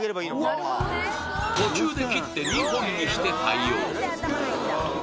そしたらで途中で切って２本にして対応